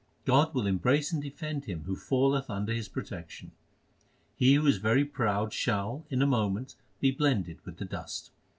God will embrace and defend him Who falleth under His protection. He who is very proud Shall in a moment be blended with the dust.